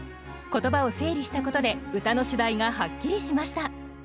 言葉を整理したことで歌の主題がはっきりしました。